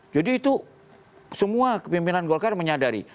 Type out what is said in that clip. jadi itu semua kepimpinan golkar menyadari